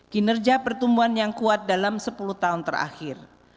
kinerja pertumbuhan yang kuat dalam sepuluh tahun terakhir